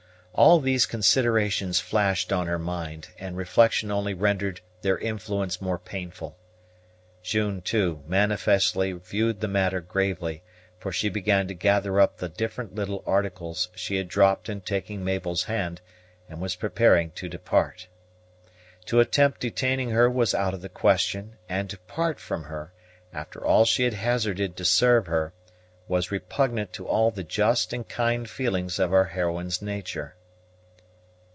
All these considerations flashed on her mind, and reflection only rendered their influence more painful. June, too, manifestly viewed the matter gravely; for she began to gather up the different little articles she had dropped in taking Mabel's hand, and was preparing to depart. To attempt detaining her was out of the question; and to part from her, after all she had hazarded to serve her, was repugnant to all the just and kind feelings of our heroine's nature.